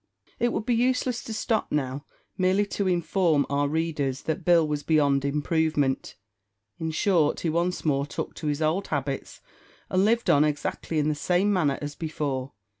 It would be useless to stop now, merely to inform our readers that Bill was beyond improvement. In short, he once more took to his old habits, and lived on exactly in the same manner as before.